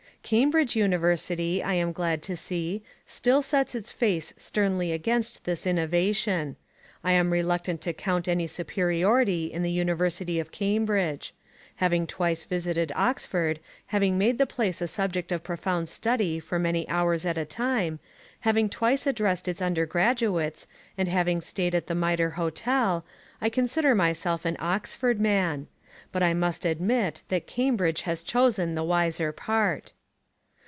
Cambridge University, I am glad to see, still sets its face sternly against this innovation. I am reluctant to count any superiority in the University of Cambridge. Having twice visited Oxford, having made the place a subject of profound study for many hours at a time, having twice addressed its undergraduates, and having stayed at the Mitre Hotel, I consider myself an Oxford man. But I must admit that Cambridge has chosen the wiser part.